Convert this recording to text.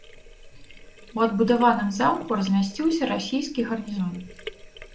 У адбудаваным замку размясціўся расійскі гарнізон.